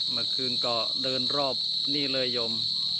เมื่อคืนก็เดินรอบนี่เลยยม